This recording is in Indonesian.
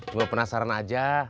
cuma penasaran aja